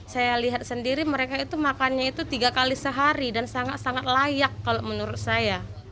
saya lihat sendiri mereka itu makannya itu tiga kali sehari dan sangat sangat layak kalau menurut saya